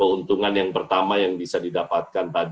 keuntungan yang pertama yang bisa didapatkan